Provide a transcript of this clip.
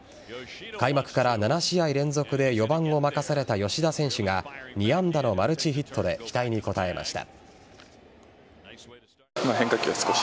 開幕から７試合連続で４番を任された吉田選手が２安打のマルチヒットで期待に応えました。